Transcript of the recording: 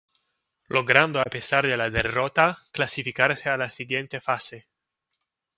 Logrando a pesar de la derrota, clasificarse a la siguiente fase.